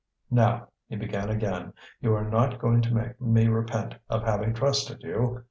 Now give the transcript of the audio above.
"Now," he began again, "you are not going to make me repent of having trusted you.